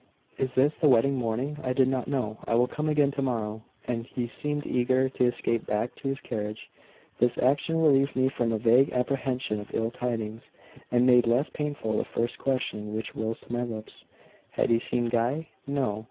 "Is this the wedding morning? I did not know I will come again to morrow;" and he seemed eager to escape back to his carriage. This action relieved me from a vague apprehension of ill tidings, and made less painful the first question which rose to my lips, "Had he seen Guy?" "No."